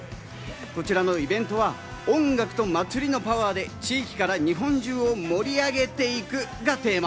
こちらのイベントは音楽と祭りのパワーで地域から日本中を盛り上げていくがテーマ。